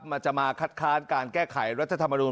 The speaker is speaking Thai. มันจะมาคัดค้านการแก้ไขรัฐธรรมนูล